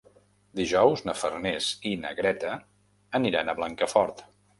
Dijous na Farners i na Greta aniran a Blancafort.